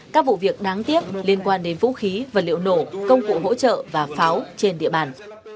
các vụ việc đáng tiếc liên quan đến vũ khí vật liệu nổ công cụ hỗ trợ và pháo trên địa bàn